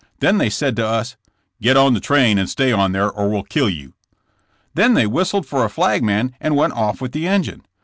Then they said to us: *' *Get on the train and stay on there, or we'll kill you!' ''Then they whistled for a flagman and went off with the engine.